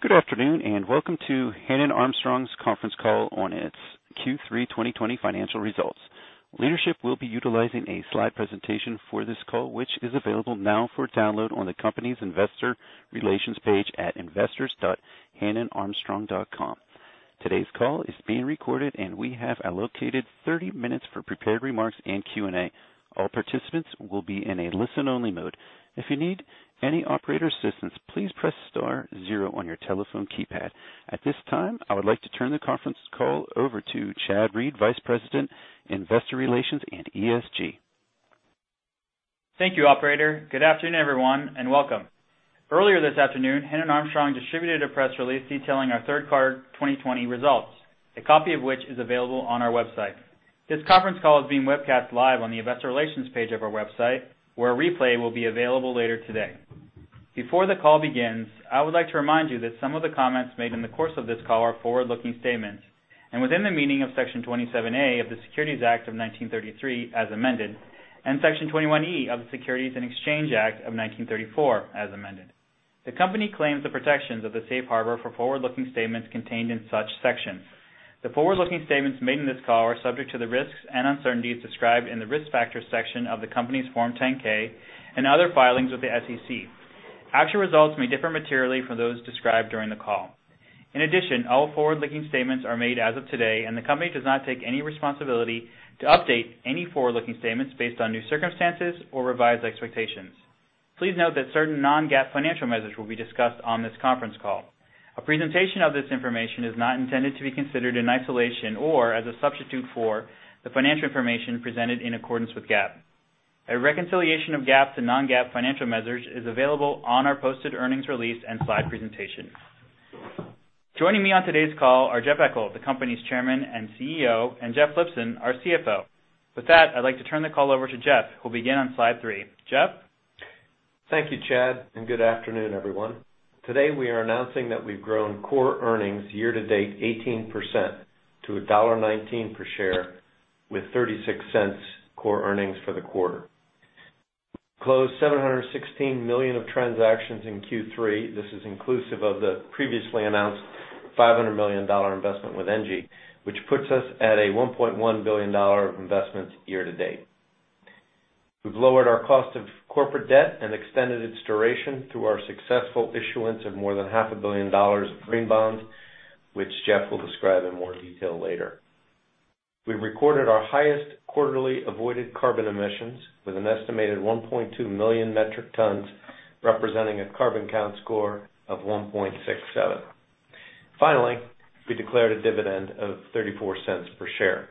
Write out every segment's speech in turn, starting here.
Good afternoon, and welcome to Hannon Armstrong's conference call on its Q3 2020 financial results. Leadership will be utilizing a slide presentation for this call, which is available now for download on the company's investor relations page at investors.hannonarmstrong.com. Today's call is being recorded. We have allocated 30 minutes for prepared remarks and Q&A. All participants will be in a listen-only mode. If you need any operator assistance, please press star zero on your telephone keypad. At this time, I would like to turn the conference call over to Chad Reed, Vice President, Investor Relations and ESG. Thank you, operator. Good afternoon, everyone. Welcome. Earlier this afternoon, Hannon Armstrong distributed a press release detailing our third quarter 2020 results, a copy of which is available on our website. This conference call is being webcast live on the investor relations page of our website, where a replay will be available later today. Before the call begins, I would like to remind you that some of the comments made in the course of this call are forward-looking statements and within the meaning of Section 27A of the Securities Act of 1933, as amended, and Section 21E of the Securities Exchange Act of 1934, as amended. The company claims the protections of the safe harbor for forward-looking statements contained in such sections. The forward-looking statements made in this call are subject to the risks and uncertainties described in the Risk Factors section of the company's Form 10-K and other filings with the SEC. Actual results may differ materially from those described during the call. In addition, all forward-looking statements are made as of today, and the company does not take any responsibility to update any forward-looking statements based on new circumstances or revised expectations. Please note that certain non-GAAP financial measures will be discussed on this conference call. A presentation of this information is not intended to be considered in isolation or as a substitute for the financial information presented in accordance with GAAP. A reconciliation of GAAP to non-GAAP financial measures is available on our posted earnings release and slide presentation. Joining me on today's call are Jeff Eckel, the company's Chairman and CEO, and Jeff Lipson, our CFO. With that, I'd like to turn the call over to Jeff, who'll begin on slide three. Jeff? Thank you, Chad, and good afternoon, everyone. Today, we are announcing that we've grown core earnings year-to-date 18% to $1.19 per share, with $0.36 core earnings for the quarter. Closed $716 million of transactions in Q3. This is inclusive of the previously announced $500 million investment with NG, which puts us at $1.1 billion of investments year to date. We've lowered our cost of corporate debt and extended its duration through our successful issuance of more than half a billion dollars of green bonds, which Jeff will describe in more detail later. We've recorded our highest quarterly avoided carbon emissions with an estimated 1.2 million metric tons, representing a carbon count score of 1.67. Finally, we declared a dividend of $0.34 per share.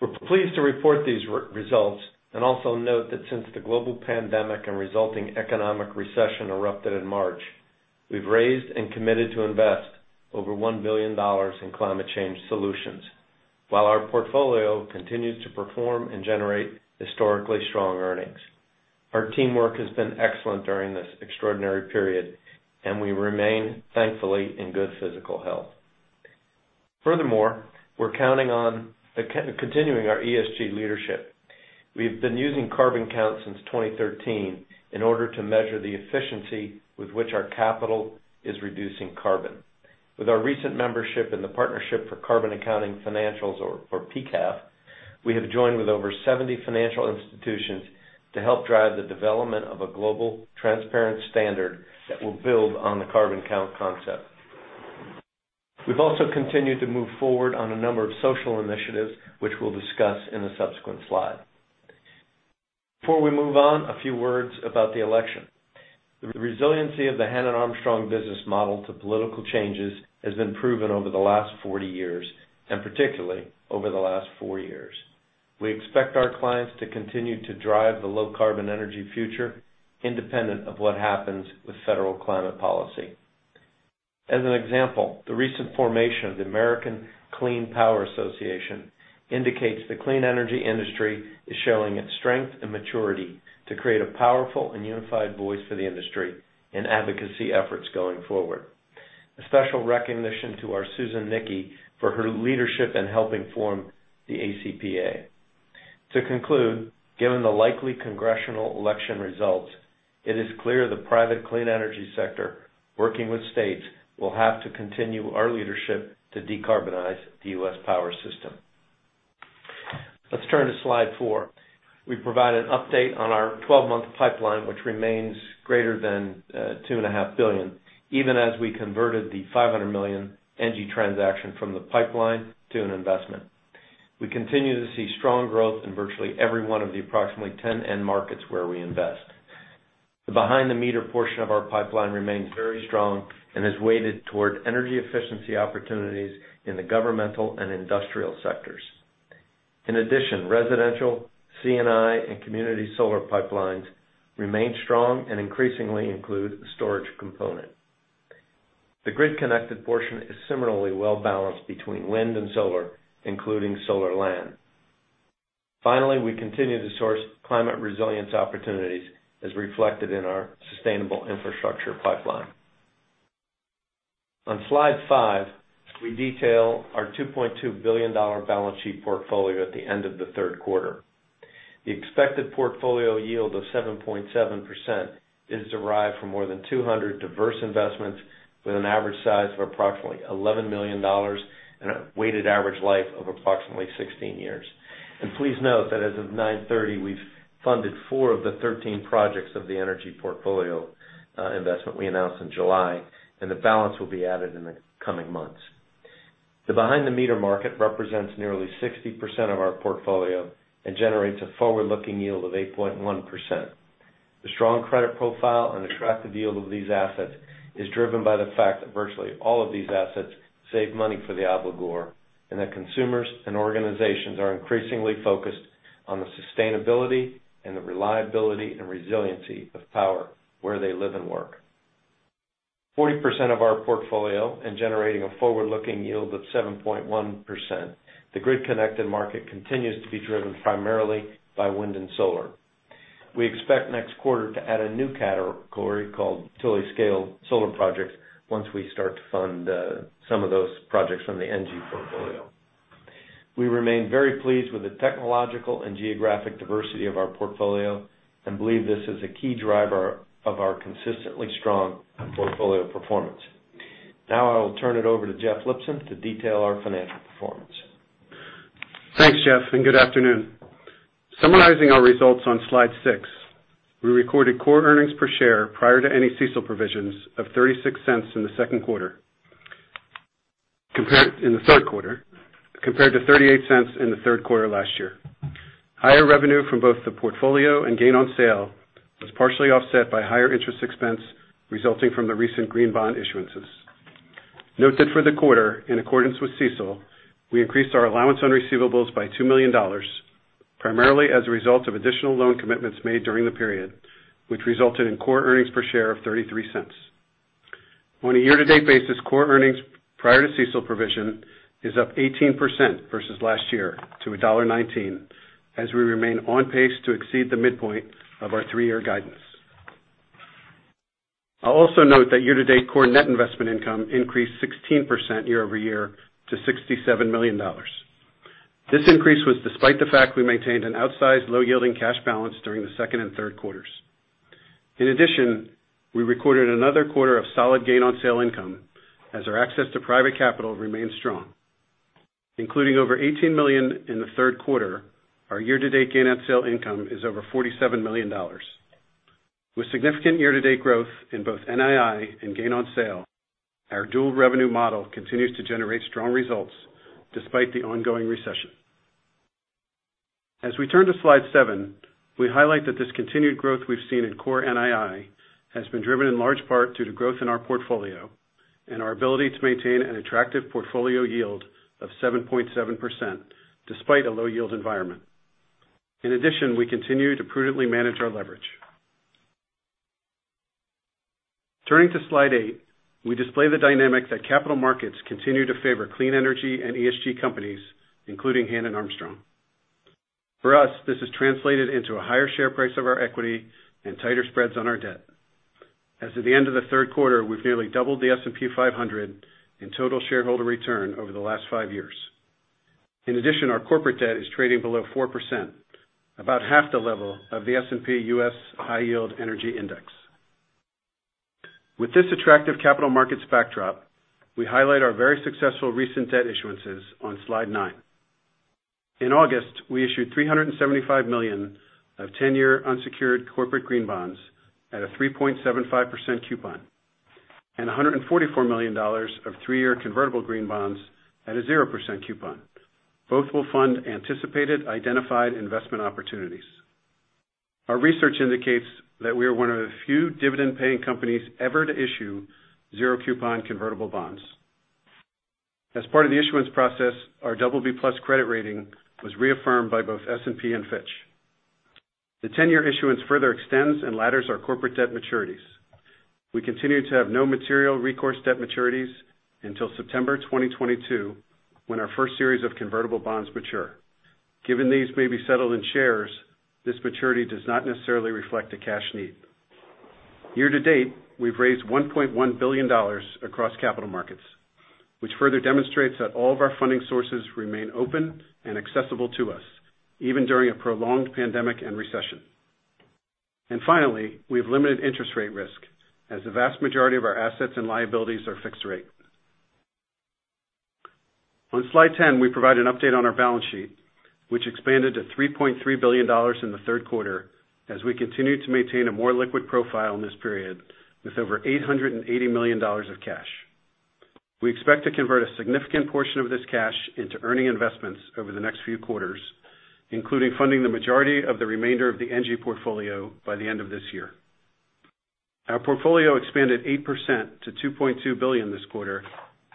We're pleased to report these results. Also note that since the global pandemic and resulting economic recession erupted in March, we've raised and committed to invest over $1 billion in climate change solutions while our portfolio continues to perform and generate historically strong earnings. Our teamwork has been excellent during this extraordinary period, and we remain, thankfully, in good physical health. Furthermore, we're counting on continuing our ESG leadership. We've been using carbon count since 2013 in order to measure the efficiency with which our capital is reducing carbon. With our recent membership in the Partnership for Carbon Accounting Financials, or PCAF, we have joined with over 70 financial institutions to help drive the development of a global, transparent standard that will build on the carbon count concept. We've also continued to move forward on a number of social initiatives, which we'll discuss in a subsequent slide. Before we move on, a few words about the election. The resiliency of the Hannon Armstrong business model to political changes has been proven over the last 40 years, particularly over the last four years. We expect our clients to continue to drive the low-carbon energy future independent of what happens with federal climate policy. As an example, the recent formation of the American Clean Power Association indicates the clean energy industry is showing its strength and maturity to create a powerful and unified voice for the industry in advocacy efforts going forward. A special recognition to our Susan Nickey for her leadership in helping form the ACPA. To conclude, given the likely congressional election results, it is clear the private clean energy sector, working with states, will have to continue our leadership to decarbonize the U.S. power system. Let's turn to slide four. We provide an update on our 12-month pipeline, which remains greater than two and a half billion, even as we converted the $500 million NG transaction from the pipeline to an investment. We continue to see strong growth in virtually every one of the approximately 10 end markets where we invest. The behind-the-meter portion of our pipeline remains very strong and is weighted toward energy efficiency opportunities in the governmental and industrial sectors. In addition, residential, C&I, and community solar pipelines remain strong and increasingly include a storage component. The grid-connected portion is similarly well-balanced between wind and solar, including solar land. Finally, we continue to source climate resilience opportunities as reflected in our sustainable infrastructure pipeline. On slide five, we detail our $2.2 billion balance sheet portfolio at the end of the third quarter. The expected portfolio yield of 7.7% is derived from more than 200 diverse investments with an average size of approximately $11 million and a weighted average life of approximately 16 years. Please note that as of 9/30, we've funded 4 of the 13 projects of the energy portfolio investment we announced in July, and the balance will be added in the coming months. The behind-the-meter market represents nearly 60% of our portfolio and generates a forward-looking yield of 8.1%. The strong credit profile and attractive yield of these assets is driven by the fact that virtually all of these assets save money for the obligor, and that consumers and organizations are increasingly focused on the sustainability and the reliability and resiliency of power where they live and work. 40% of our portfolio in generating a forward-looking yield of 7.1%, the grid-connected market continues to be driven primarily by wind and solar. We expect next quarter to add a new category called utility-scale solar projects once we start to fund some of those projects from the NGP portfolio. We remain very pleased with the technological and geographic diversity of our portfolio and believe this is a key driver of our consistently strong portfolio performance. Now I will turn it over to Jeff Lipson to detail our financial performance. Thanks, Jeff, and good afternoon. Summarizing our results on slide six, we recorded core earnings per share prior to any CECL provisions of $0.36 in the third quarter, compared to $0.38 in the third quarter last year. Higher revenue from both the portfolio and gain on sale was partially offset by higher interest expense resulting from the recent green bond issuances. Noted for the quarter, in accordance with CECL, we increased our allowance on receivables by $2 million, primarily as a result of additional loan commitments made during the period, which resulted in core earnings per share of $0.33. On a year-to-date basis, core earnings prior to CECL provision is up 18% versus last year to $1.19 as we remain on pace to exceed the midpoint of our three-year guidance. I'll also note that year-to-date core net investment income increased 16% year-over-year to $67 million. This increase was despite the fact we maintained an outsized low-yielding cash balance during the second and third quarters. In addition, we recorded another quarter of solid gain-on-sale income as our access to private capital remained strong. Including over $18 million in the third quarter, our year-to-date gain-on-sale income is over $47 million. With significant year-to-date growth in both NII and gain on sale, our dual revenue model continues to generate strong results despite the ongoing recession. As we turn to slide seven, we highlight that this continued growth we've seen in core NII has been driven in large part due to growth in our portfolio and our ability to maintain an attractive portfolio yield of 7.7%, despite a low-yield environment. In addition, we continue to prudently manage our leverage. Turning to slide eight, we display the dynamic that capital markets continue to favor clean energy and ESG companies, including Hannon Armstrong. For us, this has translated into a higher share price of our equity and tighter spreads on our debt. As of the end of the third quarter, we've nearly doubled the S&P 500 in total shareholder return over the last five years. In addition, our corporate debt is trading below 4%, about half the level of the S&P U.S. High Yield Energy Index. With this attractive capital markets backdrop, we highlight our very successful recent debt issuances on slide nine. In August, we issued $375 million of 10-year unsecured corporate green bonds at a 3.75% coupon and $144 million of 3-year convertible green bonds at a 0% coupon. Both will fund anticipated identified investment opportunities. Our research indicates that we are one of the few dividend-paying companies ever to issue zero-coupon convertible bonds. As part of the issuance process, our BB+ credit rating was reaffirmed by both S&P and Fitch. The 10-year issuance further extends and ladders our corporate debt maturities. We continue to have no material recourse debt maturities until September 2022, when our first series of convertible bonds mature. Given these may be settled in shares, this maturity does not necessarily reflect a cash need. Year to date, we've raised $1.1 billion across capital markets, which further demonstrates that all of our funding sources remain open and accessible to us, even during a prolonged pandemic and recession. Finally, we have limited interest rate risk, as the vast majority of our assets and liabilities are fixed rate. On slide 10, we provide an update on our balance sheet, which expanded to $3.3 billion in the third quarter as we continued to maintain a more liquid profile in this period with over $880 million of cash. We expect to convert a significant portion of this cash into earning investments over the next few quarters, including funding the majority of the remainder of the NGP portfolio by the end of this year. Our portfolio expanded 8% to $2.2 billion this quarter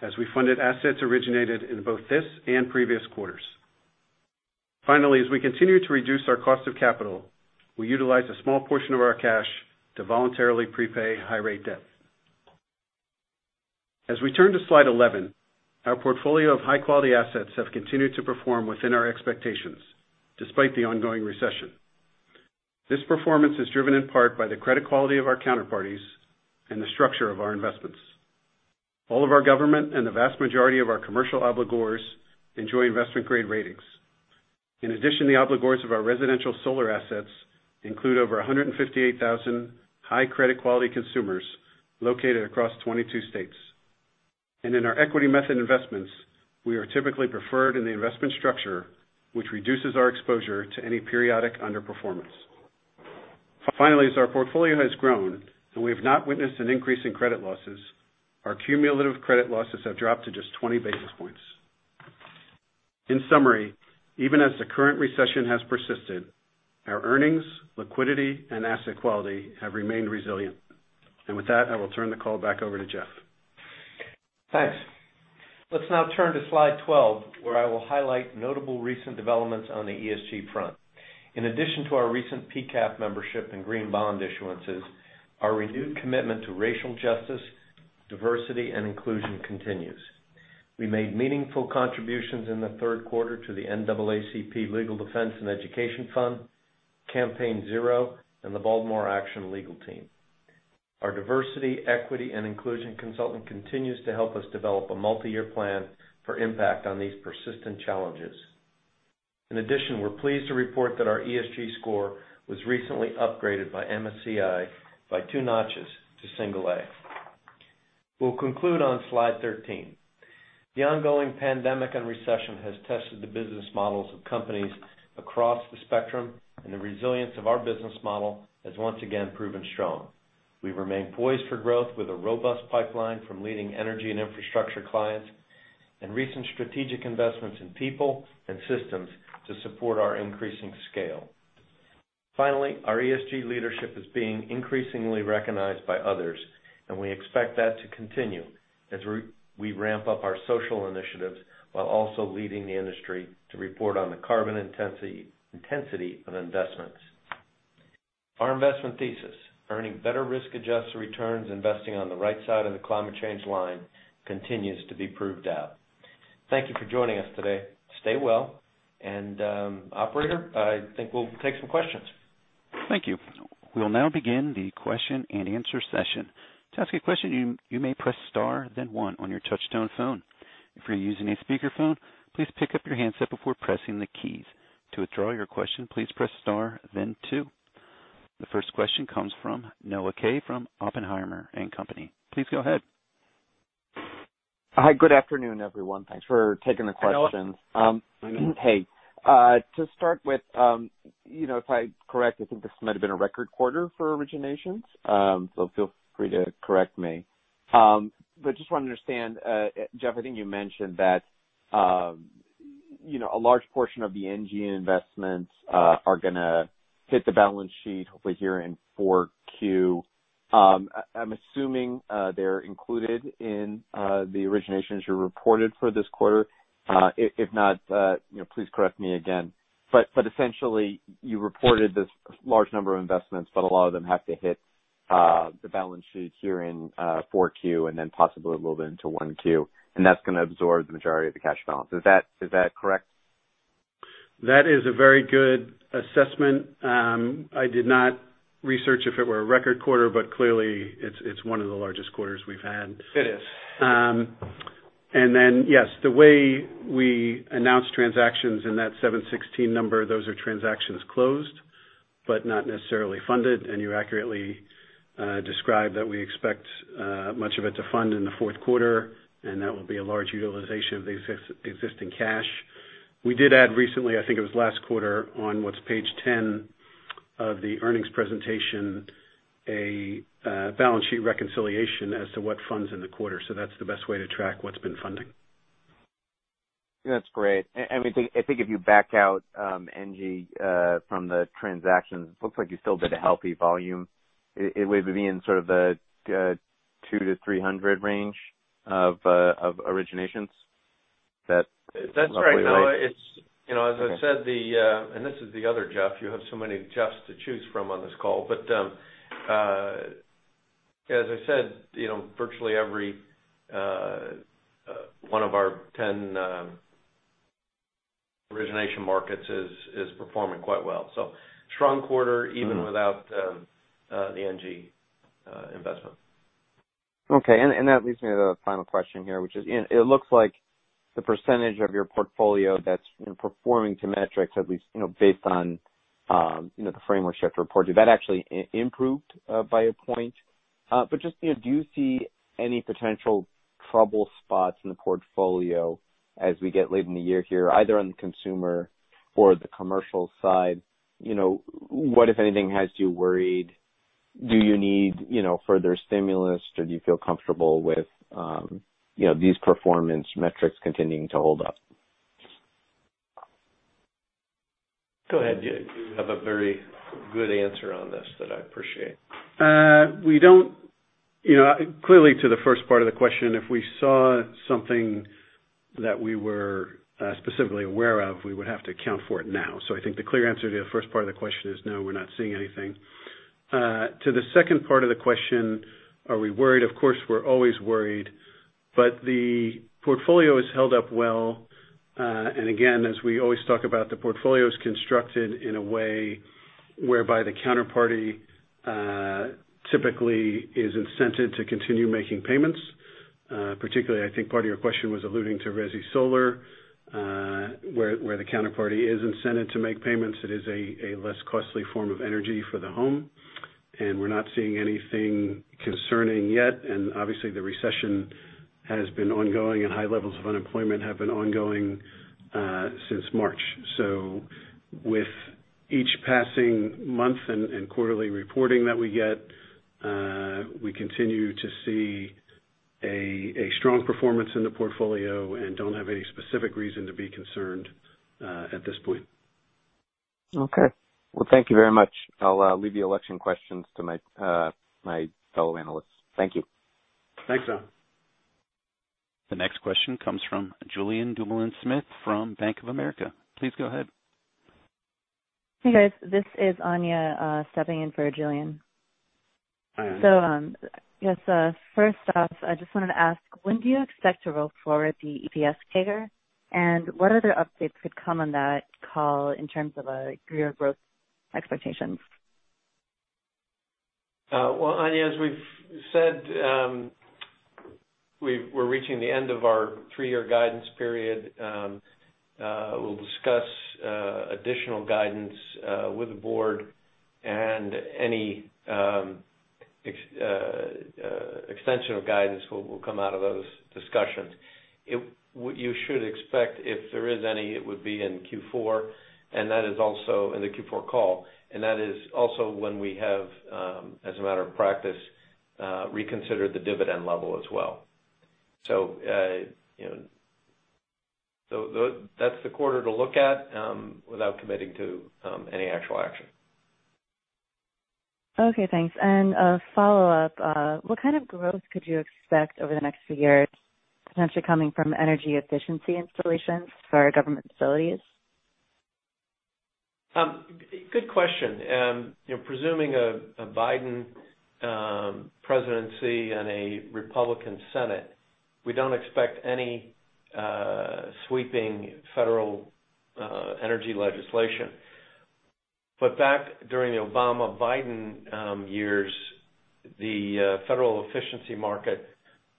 as we funded assets originated in both this and previous quarters. Finally, as we continue to reduce our cost of capital, we utilized a small portion of our cash to voluntarily prepay high-rate debt. As we turn to slide 11, our portfolio of high-quality assets have continued to perform within our expectations despite the ongoing recession. This performance is driven in part by the credit quality of our counterparties and the structure of our investments. All of our government and the vast majority of our commercial obligors enjoy investment grade ratings. In addition, the obligors of our residential solar assets include over 158,000 high credit quality consumers located across 22 states. In our equity method investments, we are typically preferred in the investment structure, which reduces our exposure to any periodic underperformance. Finally, as our portfolio has grown and we have not witnessed an increase in credit losses, our cumulative credit losses have dropped to just 20 basis points. In summary, even as the current recession has persisted, our earnings, liquidity and asset quality have remained resilient. With that, I will turn the call back over to Jeff. Thanks. Let's now turn to slide 12, where I will highlight notable recent developments on the ESG front. In addition to our recent PCAF membership and green bond issuances, our renewed commitment to racial justice, diversity, and inclusion continues. We made meaningful contributions in the third quarter to the NAACP Legal Defense and Educational Fund, Campaign Zero, and the Baltimore Action Legal Team. Our diversity, equity, and inclusion consultant continues to help us develop a multi-year plan for impact on these persistent challenges. In addition, we're pleased to report that our ESG score was recently upgraded by MSCI by two notches to single A. We'll conclude on slide 13. The ongoing pandemic and recession has tested the business models of companies across the spectrum, and the resilience of our business model has once again proven strong. We remain poised for growth with a robust pipeline from leading energy and infrastructure clients, recent strategic investments in people and systems to support our increasing scale. Finally, our ESG leadership is being increasingly recognized by others, and we expect that to continue as we ramp up our social initiatives while also leading the industry to report on the carbon intensity of investments. Our investment thesis, earning better risk-adjusted returns, investing on the right side of the climate change line, continues to be proved out. Thank you for joining us today. Stay well. Operator, I think we'll take some questions. Thank you. We'll now begin the question and answer session. To ask a question, you may press star then one on your touchtone phone. If you're using a speakerphone, please pick up your handset before pressing the keys. To withdraw your question, please press star then two. The first question comes from Noah Kaye from Oppenheimer and Company. Please go ahead. Hi. Good afternoon, everyone. Thanks for taking the questions. Hi, Noah. Hey. To start with, if I'm correct, I think this might've been a record quarter for originations. Feel free to correct me. Just want to understand, Jeff, I think you mentioned that a large portion of the NGP investments are going to hit the balance sheet hopefully here in 4Q. I'm assuming they're included in the originations you reported for this quarter. If not, please correct me again. Essentially, you reported this large number of investments, but a lot of them have to hit the balance sheet here in 4Q and then possibly a little bit into 1Q, and that's going to absorb the majority of the cash balance. Is that correct? That is a very good assessment. I did not research if it were a record quarter, but clearly it's one of the largest quarters we've had. It is. yes, the way we announce transactions in that 716 number, those are transactions closed, but not necessarily funded. You accurately described that we expect much of it to fund in the fourth quarter, and that will be a large utilization of the existing cash. We did add recently, I think it was last quarter, on what's page 10 of the earnings presentation, a balance sheet reconciliation as to what funds in the quarter, so that's the best way to track what's been funding. That's great. I think if you back out NGP from the transactions, looks like you still did a healthy volume. It would be in sort of the 200-300 range of originations. Is that roughly right? That's right, Noah. As I said, this is the other Jeff. You have so many Jeffs to choose from on this call. As I said, virtually every one of our 10 origination markets is performing quite well. Strong quarter even without the NGP investment. Okay. That leads me to the final question here, which is it looks like the percentage of your portfolio that's performing to metrics, at least based on the framework shift reported, that actually improved by a point. Do you see any potential trouble spots in the portfolio as we get late in the year here, either on the consumer or the commercial side? What, if anything, has you worried? Do you need further stimulus? Do you feel comfortable with these performance metrics continuing to hold up? Go ahead. You have a very good answer on this that I appreciate. Clearly to the first part of the question, if we saw something that we were specifically aware of, we would have to account for it now. I think the clear answer to the first part of the question is no, we're not seeing anything. To the second part of the question, are we worried? Of course, we're always worried, but the portfolio has held up well. Again, as we always talk about, the portfolio is constructed in a way whereby the counterparty typically is incented to continue making payments. Particularly, I think part of your question was alluding to resi solar, where the counterparty is incented to make payments. It is a less costly form of energy for the home, and we're not seeing anything concerning yet. Obviously, the recession has been ongoing, and high levels of unemployment have been ongoing since March. With each passing month and quarterly reporting that we get, we continue to see a strong performance in the portfolio and don't have any specific reason to be concerned at this point. Okay. Well, thank you very much. I'll leave the election questions to my fellow analysts. Thank you. Thanks, Don. The next question comes from Julien Dumoulin-Smith from Bank of America. Please go ahead. Hey, guys. This is Anya stepping in for Julien. Hi, Anya. Yes, first off, I just wanted to ask, when do you expect to roll forward the EPS CAGR, and what other updates could come on that call in terms of your growth expectations? Well, Anya, as we've said, we're reaching the end of our three-year guidance period. We'll discuss additional guidance with the board, and any extension of guidance will come out of those discussions. What you should expect, if there is any, it would be in Q4, and that is also in the Q4 call, and that is also when we have, as a matter of practice, reconsidered the dividend level as well. That's the quarter to look at without committing to any actual action. Okay, thanks. A follow-up, what kind of growth could you expect over the next few years, potentially coming from energy efficiency installations for our government facilities? Good question. Presuming a Biden presidency and a Republican Senate, we don't expect any sweeping federal energy legislation. Back during the Obama-Biden years, the federal efficiency market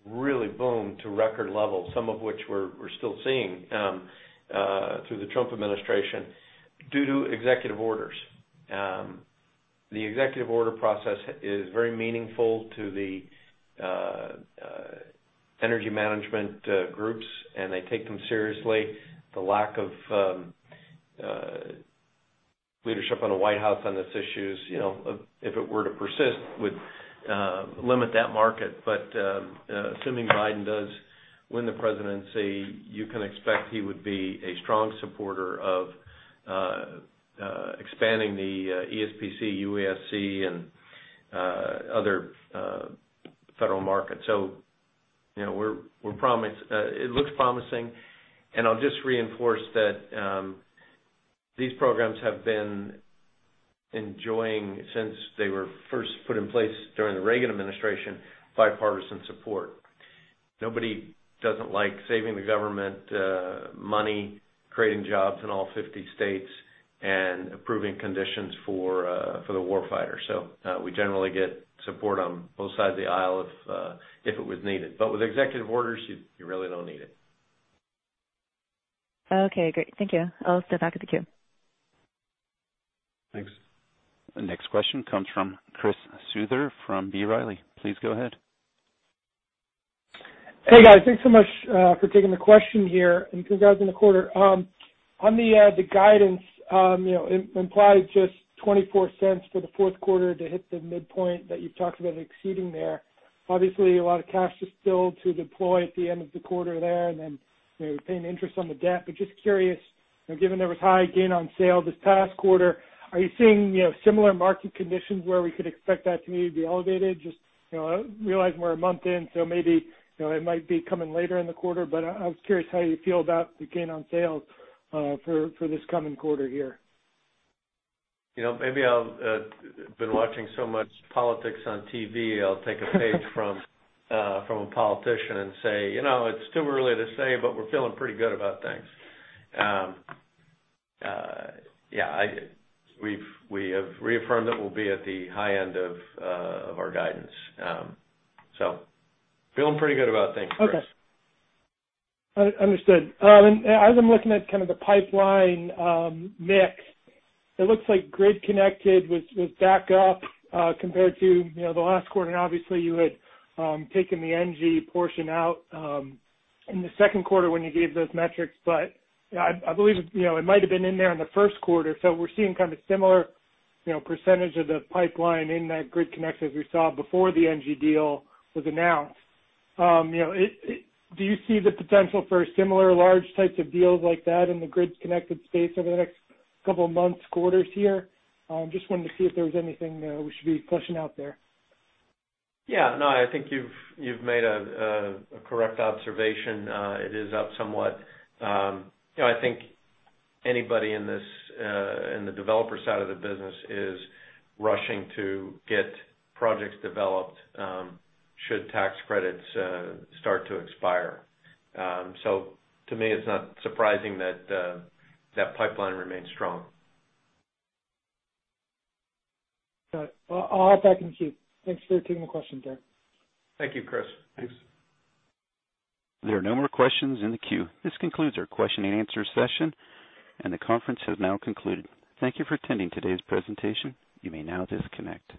really boomed to record levels, some of which we're still seeing through the Trump administration due to executive orders. The executive order process is very meaningful to the energy management groups, and they take them seriously. The lack of leadership in the White House on this issue, if it were to persist, would limit that market. Assuming Biden does win the presidency, you can expect he would be a strong supporter of expanding the ESPC, UESC, and other federal markets. It looks promising, and I'll just reinforce that these programs have been enjoying, since they were first put in place during the Reagan administration, bipartisan support. Nobody doesn't like saving the government money, creating jobs in all 50 states, and improving conditions for the war fighter. We generally get support on both sides of the aisle if it was needed. With executive orders, you really don't need it. Okay, great. Thank you. I'll step back out of the queue. Thanks. The next question comes from Chris Souther from B. Riley. Please go ahead. Hey, guys. Thanks so much for taking the question here and congrats on the quarter. On the guidance, it implied just $0.24 for the fourth quarter to hit the midpoint that you've talked about exceeding there. Obviously, a lot of cash is still to deploy at the end of the quarter there and then paying interest on the debt. Just curious, given there was high gain on sale this past quarter, are you seeing similar market conditions where we could expect that to maybe be elevated? Just realizing we're a month in, maybe it might be coming later in the quarter. I was curious how you feel about the gain on sales for this coming quarter here. Maybe I've been watching so much politics on TV, I'll take a page from a politician and say, "It's too early to say, but we're feeling pretty good about things." Yeah. We have reaffirmed that we'll be at the high end of our guidance. Feeling pretty good about things, Chris. Okay. Understood. As I'm looking at kind of the pipeline mix, it looks like grid-connected was back up compared to the last quarter, and obviously you had taken the NGP portion out in the second quarter when you gave those metrics. I believe it might have been in there in the first quarter. We're seeing kind of similar percentage of the pipeline in that grid-connected as we saw before the NGP deal was announced. Do you see the potential for similar large types of deals like that in the grid-connected space over the next couple of months, quarters here? Just wanted to see if there was anything we should be pushing out there. Yeah. No, I think you've made a correct observation. It is up somewhat. I think anybody in the developer side of the business is rushing to get projects developed should tax credits start to expire. To me, it's not surprising that that pipeline remains strong. Got it. I'll hop back in the queue. Thanks for taking the question, Jared. Thank you, Chris. Thanks. There are no more questions in the queue. This concludes our question and answer session. The conference has now concluded. Thank you for attending today's presentation. You may now disconnect.